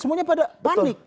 semuanya pada panik